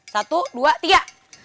satu dua tiga